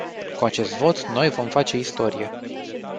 Cu acest vot noi vom face istorie.